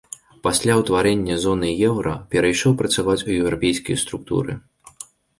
Пасля ўтварэння зоны еўра перайшоў працаваць у еўрапейскія структуры.